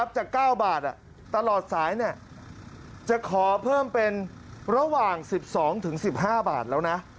จาก๙บาทตลอดสายจะขอเพิ่มเป็นระหว่าง๑๒๑๕บาทแล้วนะ